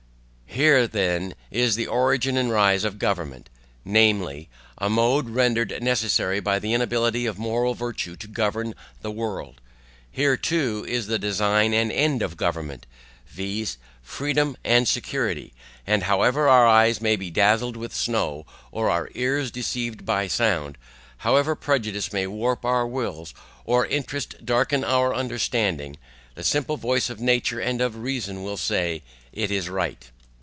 Here then is the origin and rise of government; namely, a mode rendered necessary by the inability of moral virtue to govern the world; here too is the design and end of government, viz. freedom and security. And however our eyes may be dazzled with snow, or our ears deceived by sound; however prejudice may warp our wills, or interest darken our understanding, the simple voice of nature and of reason will say, it is right.